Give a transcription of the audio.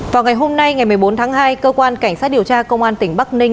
vào ngày hôm nay ngày một mươi bốn tháng hai cơ quan cảnh sát điều tra công an tỉnh bắc ninh